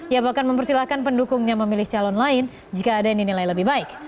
ia bahkan mempersilahkan pendukungnya memilih calon lain jika ada yang dinilai lebih baik